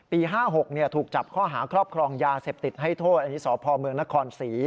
ปี๕๖เนี่ยถูกจับข้อหาครอบครองยาเสพติดให้โทษในนี้สภมนคร๔